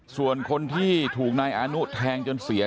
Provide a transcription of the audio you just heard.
ส่วนคนที่ถูกนายอานุแทงจนเสีย